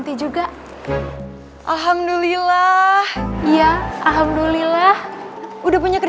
tuh tak ada yang ngsomep wakil